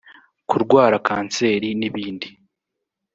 kurwara kanseri n’ibindi